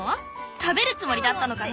食べるつもりだったのかな？